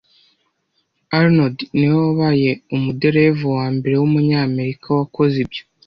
Arnold niwe wabaye umuderevu wambere wumunyamerika wakoze ibyo